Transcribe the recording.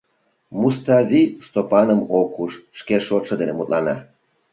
Муставий Стопаным ок уж, шке шотшо дене мутлана.